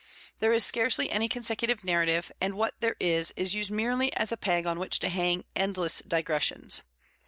There is scarcely any consecutive narrative, and what there is is used merely as a peg on which to hang endless digressions.